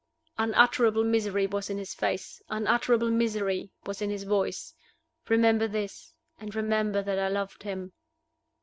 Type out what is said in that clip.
Unutterable misery was in his face; unutterable misery was in his voice. Remember this. And remember that I loved him.